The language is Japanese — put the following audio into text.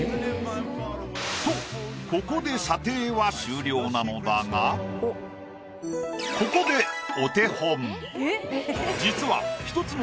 とここで査定は終了なのだがここでお手本。